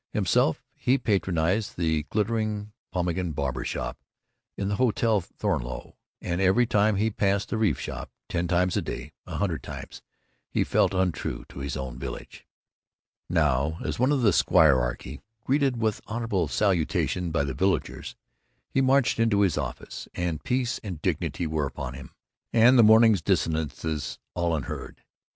Himself, he patronized the glittering Pompeian Barber Shop in the Hotel Thornleigh, and every time he passed the Reeves shop ten times a day, a hundred times he felt untrue to his own village. Now, as one of the squirearchy, greeted with honorable salutations by the villagers, he marched into his office, and peace and dignity were upon him, and the morning's dissonances all unheard.